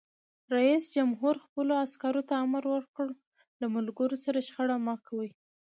رئیس جمهور خپلو عسکرو ته امر وکړ؛ له ملګرو سره شخړه مه کوئ!